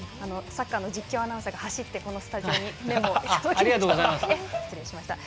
サッカーの実況アナウンサーが走ってこのスタジオにメモを届けてくれました。